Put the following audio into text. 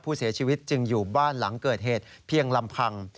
ผู้เสียชีวิตจึงอยู่บ้านหลังเกิดเหตุเพียงลำพัง